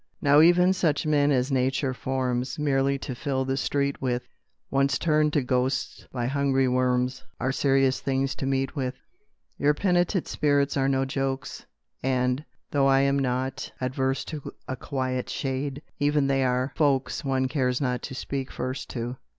Now even such men as Nature forms Merely to fill the street with, Once turned to ghosts by hungry worms, Are serious things to meet with; Your penitent spirits are no jokes, And, though I'm not averse to A quiet shade, even they are folks One cares not to speak first to.